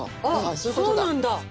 そうなんだ！